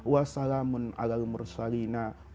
wa salamun alal mursalinah